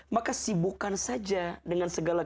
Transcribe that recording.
maka sibukkan saja dengan segala